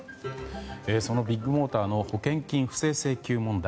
そのビッグモーターの保険金不正請求問題。